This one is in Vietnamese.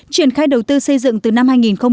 triển khai đầu tư xây dựng từ năm hai nghìn ba